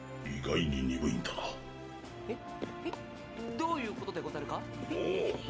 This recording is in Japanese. どういうことでござるか？？も。